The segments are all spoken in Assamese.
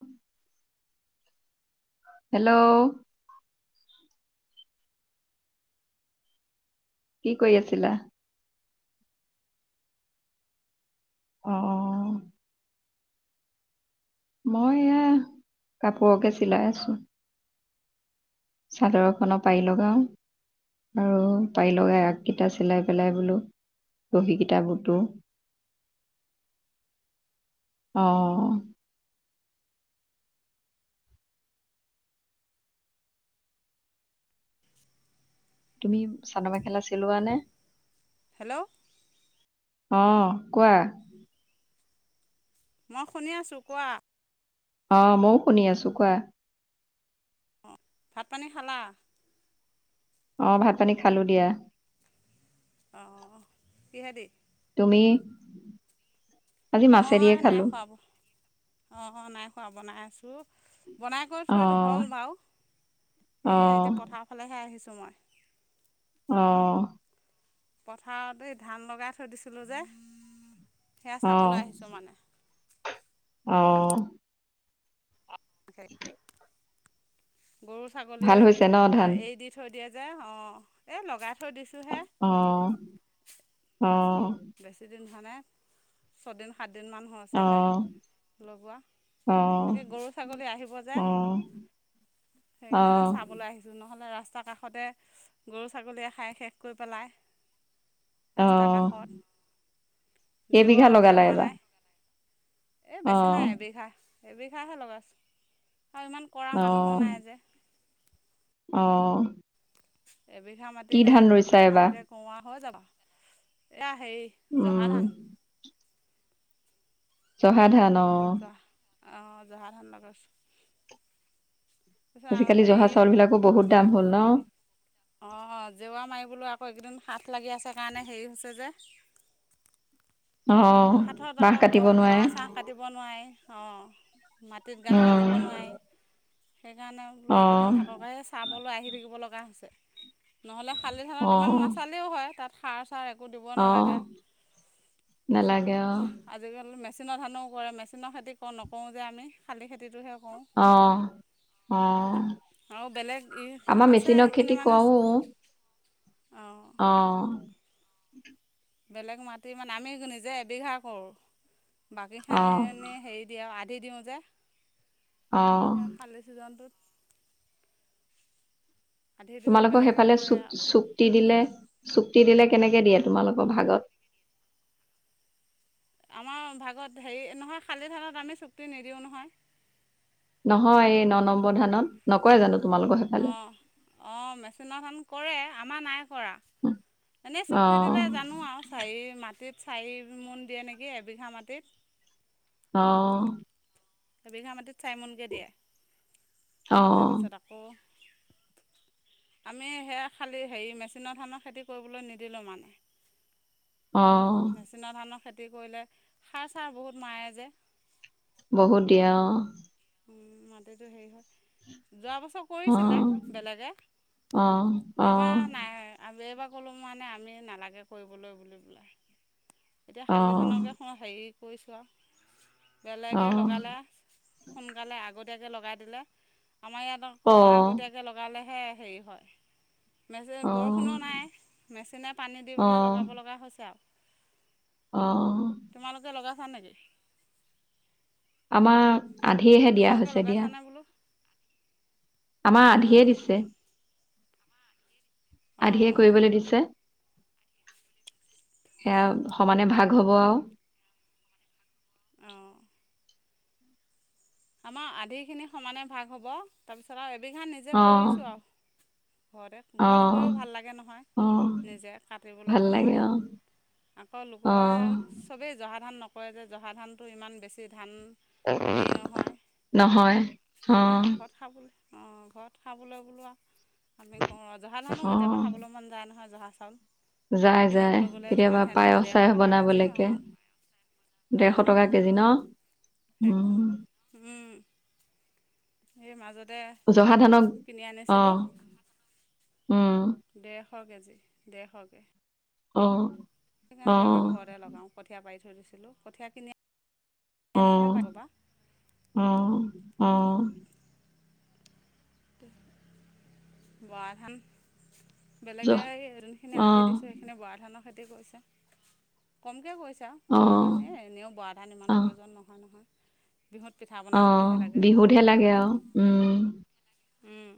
[unintelligible] হেল্ল'। কি কৰি আছিলা। অহ। মই এয়া কাপোৰকে চিলাই আছোঁ। চাদৰখনৰ পাৰি লগাওঁ। আৰু পাৰি লগাই আগকেইটা চিলাই পেলাই বোলো। দহি কেইটা গুটো। অহ। তুমি চাদৰ মেখেলা চিলোৱা নে। হেল্ল' অ' কোৱা? মই শুনি আছো। কোৱা? অ মইও শুনি আছো। কোৱা? ভাত পানী খালা? অ ভাত পানী খালো দিয়া অ অ কিহে দি? উমি মই নাই খোৱা অঁ নাই খোৱা বনাই আছোঁ বনাই কৰি অ থৈ হ'ল বাও। অ এই এতিয়া পথাৰ ফালেহে আহিছ তো মই অ। পথাৰত এই ধান লগাই থৈ দিছিলো যে। সেয়া চাবলৈ আহিছো মানে। অহ। এখাই গৰু ছাগলী ভাল হৈছে ন আ ধান এ দি থৈ দিয়ে যে অ এই লগাই থ অ অ অ। বেছি দিন থোৱা নাই ছয় দিন সাতদিন দিনমান অ হৈছেহে লগোৱা। অ তাকে গৰু ছাগলী আহিব যে, অ সেইকাৰণে অ চাবলৈ আহিছোঁ নহ'লে ৰা ৰাস্তাৰ কাষতে গৰু ছাগলীয়ে খাই শেষ কৰি পেলায়। ৰাস্তাৰ অ', কাষত জেওৰাও কেইবিঘা দিয়া লগালে হোৱা এইবাৰ নাই এই বেছি নাই এবিঘা, এবিঘাহে লগাইচো। আৰু ইমান কৰা মানুহো অ', নাই যে অ'। এবিঘা কি মাটিয়ে ধান ৰুইছা এবাৰ? ভালকৈ কৰোঁ আও হৈ যাব, এয়া হেই, উম, জহা ধান। জহা ধান অ'। অ', জহা ধান লগাইছো। আজিকালি জহা চাউল বিলাকো বহুত দাম হ'ল ন অ', জেওৱৰা মাৰিবলৈ আকৌ এইকেদিন সাত লাগি আছে কাৰণে হেৰি হৈছে যে অ', হঠাৎ বাহ আকৌ কাটিব গছ নোৱাৰে বাঁহ চাহ কাটিব নোৱাৰে অঁ মাটিত গাঁত উম, খান্দিব নোৱাৰি। সেইকাৰণে বোলো অ', এইকেইদিন থাককে, চাবলৈ আহি থাকিব লগা হৈছে, নহ'লে খালি ধানত ইমান অ', নাচালেও হয় তাত সাৰ চাৰ একো দিব অ', নালাগে [unintelligible] আজিকালি মেচিনৰ ধানো কৰে, মেচিনৰ খেতিওঁ নকৰোঁ যে আমি, খালী খেতিটোহে কৰোঁ অ অ', আৰু বেলেগ ই আমাৰ আছে মেচিনৰ সেইখিনি খেতি মানে কৰো। অঁ [inaudible] বেলেগ মাটি মানে আমি নিজে এবিঘা কৰোঁ, অ', বাকীখিনি হেৰি দি [unintelligible] দি দিওঁ যে অ', স শালি ছিজনটোত আধি দিলে তোমালোকক বেলেগে সেইফালে কৰে চু আৰু চুক্তি দিলে [unintelligible] কেনেকে দিয়ে তোমালোকৰ ভাগত? আমাৰ ভাগত হেৰি, নহয় খালী থানত আমি চুক্তি নিদিওঁ নহয়। নহয় এই ন নম্বৰ ধানত, নকৰে জানো। তোমালোকৰ সেইফালে অ', অ', মেচিনত [unintelligible] কৰে আমাৰ নাই কৰা, এনেই চুক্তি দিলে অ', জানো আৰু চাৰি মাটিত চাৰি মোন দিয়ে নেকি এবিঘা মাটিত। আহ এবিঘা মাটিত চাৰিমোনকৈ দিয়ে অ', তাৰপিছত আকৌ [inaudible] আমি সেয়া খালী হেৰি মেচিনৰ ধানৰ খেতি কৰিবলৈ নিদিলোঁ মানে অ', মেচিনৰ ধানৰ খেতি কৰিলে সাৰ চাৰ বহুত মাৰে যে। বহুত দিয়ে অ মাটিটো সেইৰি হয়। যোৱা বছৰ কৰিছিলে অ', বেলেগে অ', এইবাৰ অ', নাই আৰু এইবাৰ সকলো মানে আমি নালাগে কৰিবলৈ বুলি বোলে এতিয়া অ', অ', শালি ধানকে হেৰি কৰিছোঁ আৰু বেলেগে লগালে -গালে আগতীয়াকৈ লগাই দিলে আমাৰ ইয়াত অ', আকৌ আগতীয়াকৈ লগালে। হে হেৰি হয় মেচিন অ', বৰষুণো নাই মেচিনে পানী দি পেলাই লগাব লগা হৈছে আৰু। অঁ। হয় নেকি। আমাৰ আধিয়েহে দিয়া তোমালোকে হৈছে দিয়া লগাইছানে বোলো আমাৰ আধিয়ে অঁ দিছে অঁ আধিয়ে অঁ কৰিবলৈ দিছে। সেয়া অঁ সমানে ভাগ হব আৰু। অঁ আমাৰ আধিখিনি সমানে ভাগ হ'ব তাৰপিছত আৰু এবিঘা নিজে অ', কৰিছোঁ আৰু। ঘৰতে ঘৰত অ', কৰিও ভাল লাগে নহয় অ', নিজে কাটিবলৈ ভাল লাগে অ', সময়ত আকৌ অ', লোকৰ চবেই জহা ধান ন নকৰে যে, হয় জহা ধানটো ইমান বেছি ধান হেৰি নহয়। নহয় অ। অ ঘৰত খাবলৈ বোলো আৰু আমি কওঁ ৰ জহা ধানো অ', কেতিয়াবা খাবলৈ মন যায় নহয়। জহা চাউল। যায় যায় কিনিবলৈ গ'লে কেতিয়াবা যিমানহে দাম পায়স ডেৰশ চায়স টকা কেজি বনাবলৈকে। অঁ ডেৰশ অঁ টকা কেজি ন উম। উম। সেই মাজতে জহা ধানক কিনি অ আনিছিলোঁ। উম ডেৰশ কেজি ডেৰশকে অ। সেইকাৰণে অ বোলো এইবাৰ ঘৰতে লগাও কঠীয়া পাৰি থৈ দিছিলো কঠীয়া কিনি আনিবলৈ অ', পাব পৰা অ, অ, বৰা ধান বেলেগে জহ যোনখিনি অ আন্ধি দিছো সেইখিনি বৰা ধানৰ খেতি কৰিছে কমকে কৰিছে অ [unintelligible] বৰা ধান এ এনেও বৰা ধান ইমান অ প্ৰয়োজন নহয় নহয়। বিহুত পিঠা বনাবলৈহে অ', লাগে বিহুতহে লাগে আৰু উম, উম,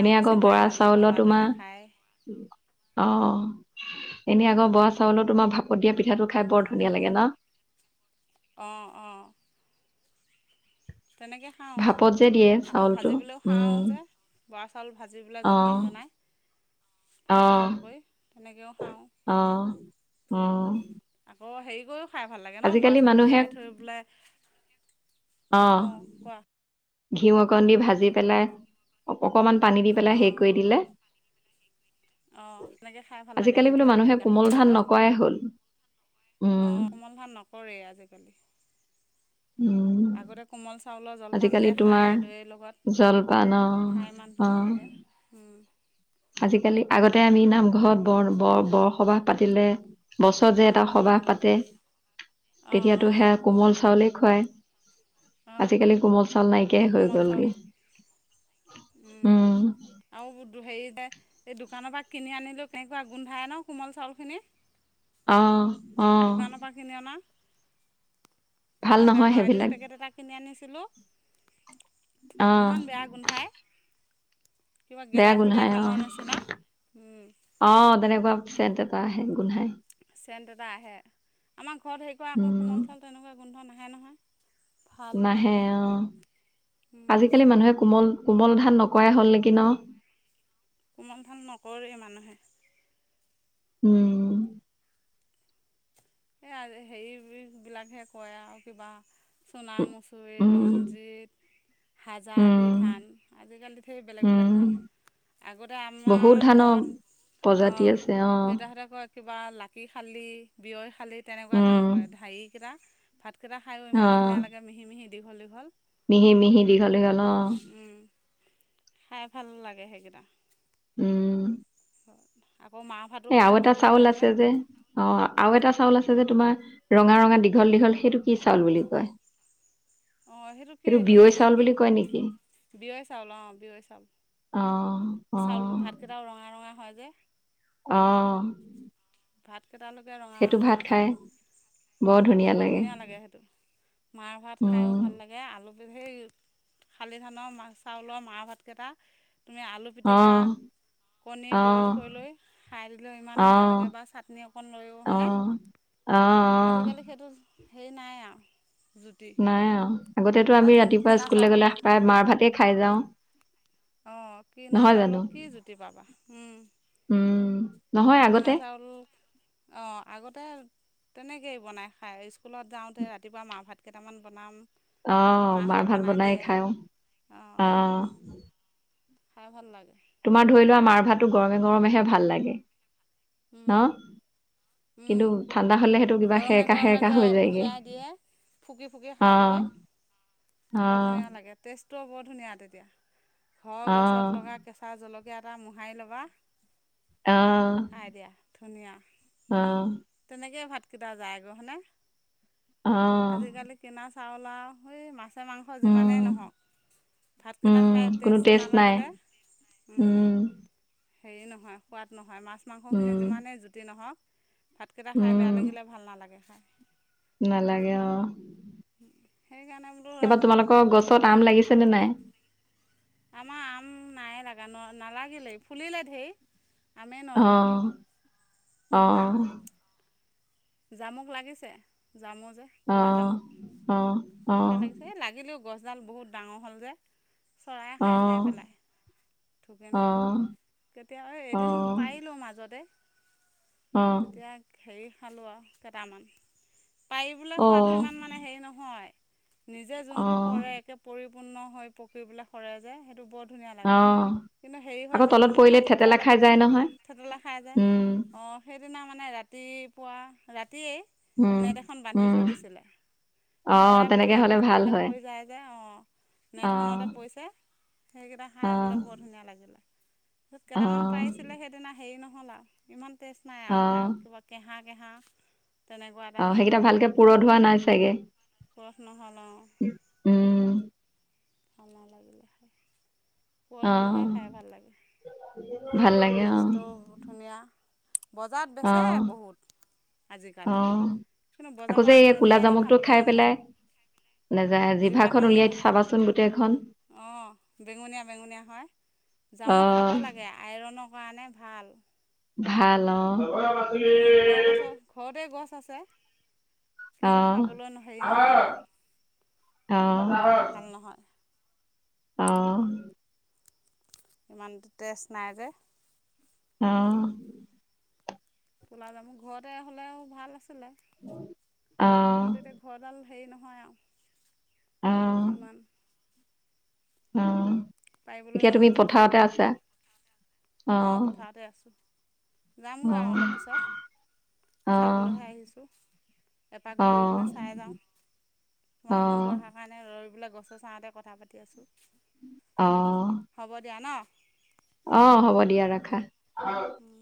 এনে আকৌ বৰা চাউলৰ তোমাৰ, নাখায় অ, এনেই আগৰ বৰা চাউলৰ তোমাৰ ভাপত দিয়া পিঠাটো খাই বৰ ধুনীয়া লাগে ন অ', অ, তেনেকে খাওঁ, ভাপত যে দিয়ে আকৌ চাউলটো ভাজি পেলে খাওঁ উম যে, বৰা চাউল ভাজি পেলাই অ জলপান বনাই। [inaudible] অ ভাজা চাউল কৰি, তেনেকৈও খাওঁ। অ অ', [unintelligible] খাই ভাল লাগে ন' বৰা আজিকালি চাউল মানুহে তিয়াই থৈ পেলাই। অ', অঁ কোৱা ঘিউ অকণ দি ভাজি পেলাই, অকমান পানী দি পেলাই হেৰি কৰি দিলে। অ', তেনেকে খাই ভাল লাগে আজিকালি বোলো মিঠৈ মানুহে কোমল গাখীৰৰ ধান লগত। নকৰাই হ'ল অ উম কোমল ধান নকৰেই আজিকালি উম আগতে কোমল চ জলপান আজিকালি যে তোমাৰ খায় দৈৰ লগত জলপান অ খাই ইমান অ ধুনহে লাগে। আজিকালি আগতে আমি নামঘৰত বৰ - বৰ - বৰসবাহ পাতিলে বছ যে এটা সবাহ অঁ পাতে অঁ তেতিয়াতো অঁ সেয়া কোমল চাউলেই খুৱায়। আজিকালি কোমল। চাউল নাইকিয়াই অ, হৈ কোমল চাউল গ'লগে উম, উম আৰু হেৰি এই দোকানৰ পৰা কিনি আনিলোঁ কেনেকুৱা গোন্ধায় ন' কোমল চাউলখিনি। অহ - অহ। দোকানৰ পৰা কিনি অনা মই বেয়া নহয় পাও এদিন সেইবিলাক পেকেট এটা কিনি আনিছিলো। অ ইমান বেয়া গোন্ধাই। কিবা বেয়া গেলাই থৈ দিয়া গোন্ধায় অ, ধানৰ নিচিনা উম, আহ তেনেকুৱাছে আহে গোন্ধাই। চেণ্ট এটা আহে, আমাৰ ঘৰত হেৰি কৰা আকৌ উম কোমল চাউলটোৰ তেনেকুৱা গোন্ধ নাহে নহয়। ভাল নাহে অ, উম, আজিকালি মানুহে কোমল কোমল ধান নকৰাই হ'ল নেকি ন। কোমল ভাল নকৰে মানুহে। উম, এই হেৰি বিলাকহে কয় আৰু কিবা চোণ উম [unintelligible] হাজাৰী উম ধান আজিকালি হেই বেলেগ- বেলেগ উম ধান আগতে বহুত আমাৰ ধানৰ ঘৰ প্ৰজাতি অ', আছে অ দেউতাহঁতে কয় কিবা লাকি খালি। বিয় খালি তেনেকুৱা ধান উম কৰে ধাহি কেইটা কেইটা খায়ো অ ইমান ধুনীয়া লাগেিহি দীঘল - দীঘল। মিহি - মিহি, দীঘল - দীঘল অহ, খাই ভাল লাগে সেইকেইটা। উম, হয়। এ আৰু এটা চাউল আছে যে, অ, আৰু এটা চাউল আছে যে তোমাৰ ৰঙা - ৰঙা দীঘল দীঘল সেইটো কি চাউল বুলি কয়। অ, সেইটো কি বিয়ৈ হেৰি চাউল নেকি বুলি কয় নেকি বিয়য় চাউল অ, বিয়য় চাউল। অ', অ, তে অহ ', [unintelligible] লোকে ৰঙা-ৰঙা হয়। বৰ ধুনীয়া লাগে সেইটো মাৰ ভাত খায়ো উম ভাল লাগে আলু সেই শালি ধানৰ মা চাউলৰ মাহ ভাতকেইটা তুমি আলু অ পিটিকা কণী বইল অ কৰি লৈ খাই দিলেও ইমান ধুনীয়া লাগে অ', বা চাটনি অকণ লৈয়ো হনে অ', অ', অ', আজিকালি সেইটো হেৰি নাই আৰু। জুতি নাই অ, আগতেতো আমি আজি ৰাতিপুৱা কিনা স্কুললৈ চাউলৰ গ'লে প্ৰায় মাৰ ভাতেই খাই যাও। অ, কিনা চাউলক কি জুতি পাবা উম, উম, নহয় কিনা আগতে চাউল অ, আগতে তেনেকেই বনাই খাই স্কুলত যাওতে ৰাতিপুৱা মাহ ভাত কেইটামান বনাম। অ, মাহঁতে মাৰ ভাত বনাই দিয়ে খাওঁ অঁ অ, খাই ভাল লাগে। তোমাৰ ধৰি লোৱা মাৰ ভাতটো গৰমে- গৰমেহে ভাল লাগে। ন? হম কিন্তু ঠাণ্ডা হলেহেইটো কিবা সেৰেকা - গৰমে সেৰকা যে হৈ যায়গৈ। উলিয়াই দিয়ে ফুকি - ফুকি খাবলৈ বৰ অ', ধুনীয়া লাগে টেষ্ট বৰ ধুনীয়া তেতিয়া ঘৰ গছত অ', লগা কেচা জলকীয়া এটা মোহাৰি ল'বা। আহ, খাই ধুনীয়া। তেনেকেই ভাতকেইটা যায়গ হয়নে, অ', আজিকালি কিনা চাউলা সেই মাছে-মাংস উম, যিমানেই নহওক। ভাতকেইটা উম, খাই কোনো টেষ্ট নাই নালাগিলে, টেষ্ট নাই, উম। হেৰি নহয় সোৱাদ নহয় মাছ-মাংস খিনি উম, যিমানেই জুতি নহওক। ভাতকেইটা খাই উম, বেয়া লাগিলে ভাল নালাগে খাই। নালাগে অ'। সেইকাৰণে বোলো এইবাৰ তোমালোকৰ ৰ লোকে গছত আম লাগিছে নে নাই? আমাৰ আম নাই লাগা ন নালাগিলেই ফুলিলে ঢেৰ। আমে নৰলে। অ', অ' জামুক লাগিছে। জামু যে, কোলা অ', জামু, অ', অ', সেয়া অ', লাগিছে এ লাগিলেও গছ ডাল বহুত ডাঙৰ হ'ল যে চৰাই খাই খাই অ', পেলায়। থোকে অ', নাপায় কেতিয়া এদিন অ', পাৰিলোঁ মাজতে। অ', তেতিয়া হেৰি খালোঁ আৰু কেইটামান। পাৰি বোলে খোৱাটো ইমান মানে হেৰি নহয়। নিজে যোনটো অ', সৰে একে পৰিপূৰ্ণ হৈ পকি পিলে সৰে যায় সেইটো বহুত ধুনীয়া লাগে। অ', কিন্তু হেৰি হয় আকৌ যে, তলত পৰিলে মাটিত থেতেলা পোৱাৰ খাই লগতে যায় নহয়। থেতেলা খাই যায়। উম, অ' সেইদিনা মানে ৰাতিপুৱা ৰাতি। উম, ৰাতিয়েই নেট এখন বান্ধি উম, থৈ দিছিলে। অ', চৰাই তেনেকে পৰিলে আকৌ হ'লে ভাল পকিলে হয়। হৈ যায় যে অ' অ', নেটখনতে পৰিছে। সেইকেইটা খাই অ', বোলে বৰ ধুনীয়া লাগিলে। কেইটামান অ', পাৰিছিলে সেইদিনা হেৰি নহল আৰু ইমান টেষ্ট নাই অ', আৰু কিবা কেহা। কেহা তেনেকুৱা এটা অ' হেৰি সেইকেইটা আহে ভালকে পূৰঠ হোৱা নাই চাগে? পুৰঠ নহ'ল উম, অ পূৰঠ হ'লেহে অ', খাই ভাল লাগে। ভাল লাগে অ', ট্ৰেষ্টটো ধুনীয়া। বজাৰত বেচে অ', বহুত। আজিকালি অ', কিন্তু আকৌ বজাৰ পা আগ আনি খাবলে মন নাযায়। নেযায়--জিভাখন উলিয়াই চাবাচোন গোটেইখন। অ', বেঙুনীয়া-বেঙুনীয়া হয়, অ জামক খাব লাগে আইৰণৰ কাৰণে। মানে ভাল। ভাল অ, কিন্তু ঘৰৰ গছৰ, ঘৰতে গছ আছে। কিন্তু খাবলৈ হেৰি অ', নহয় আৰু [unintelligible] ভাল নহয় অ, অ', ইমান টেষ্ট নাই যে। অ', উলালে মোৰ ঘৰতে হ'লেও ভাল আছিলে, আহ কিন্তু এতিয়া ঘৰডাল হেৰি নহয় আও ইমান অ', পাৰিবলৈ নোৱাৰোঁ যে বহুত ওখ হ'ল, অ, পথাৰতে আছোঁ। অ যামগৈ আৰু অলপ পিছত, অ চাবলৈহে আহিছোঁ। এপাক অ ঘূৰি পেলাই চাই যাওঁ। অ তোমাৰ ফোনটো অহাৰ কাৰণে ৰৈ পেলত। গছৰ চাহতে কথা পাতি আছো। অ হ'ব দিয়া ন'। অ হ'ব দিয়া ৰাখা। উম,